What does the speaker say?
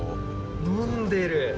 飲んでる！